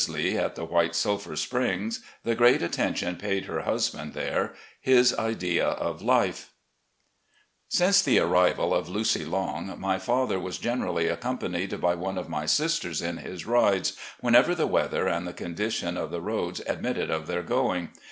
LEE AT THE WHITE SULPHUR SPRINGS — THE GREAT ATTENTION PAID HER HUSBAND THERE — HIS IDEA OF LIFE Since the arrival of "Lucy Long" my father was generally accompanied by one of my sisters in his rides, whenever the weather and the condition of the roads admitted of their going.